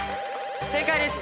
正解です！